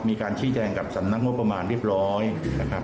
มีการชี้แจงกับสำนักงบประมาณเรียบร้อยนะครับ